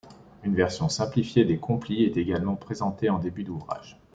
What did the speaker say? Une version simplifiée des complies est également présente en début d'ouvrage.